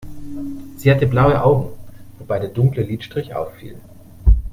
Sie hatte blaue Augen, wobei der dunkle Lidstrich auffiel.